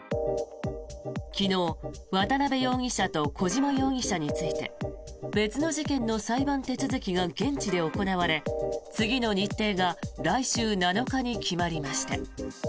昨日、渡邉容疑者と小島容疑者について別の事件の裁判手続きが現地で行われ次の日程が来週７日に決まりました。